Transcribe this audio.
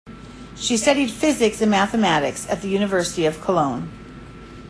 She studied physics and mathematics at the University of Cologne.